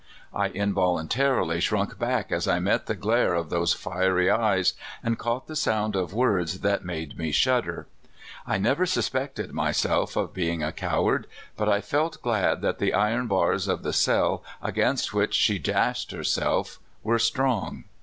I involuntarily shrunk back as I met the glare of those fiery eyes, and cauoht the sound of words that made me shud der. I never suspected myself of being a coward, but I felt glad that the iron bars of the cell against which she dashed herself were strong.